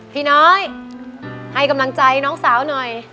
พี่น้อยให้กำลังใจน้องสาวหน่อย